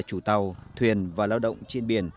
chủ tàu thuyền và lao động trên biển